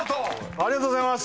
ありがとうございます。